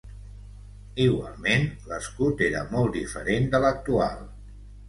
Igualment, l'escut era molt diferent de l'actual.